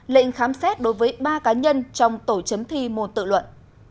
lệnh khám xét đối với ba cá nhân trong tổ chấm thi mùa tự luận